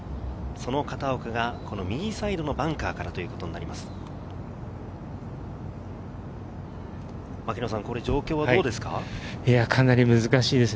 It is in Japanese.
その片岡がこの右サイドのバンカーからということになります。